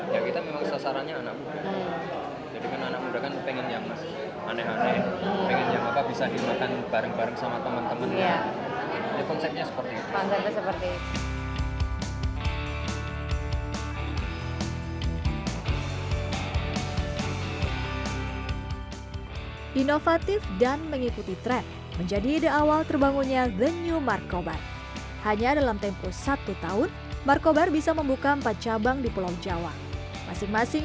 ya kita memang sasarannya anak muda jadi kan anak muda kan pengen yang aneh aneh pengen yang apa bisa dimakan bareng bareng sama teman teman